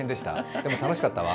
でも楽しかったわ。